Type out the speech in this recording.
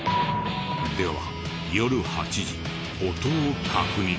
では夜８時音を確認。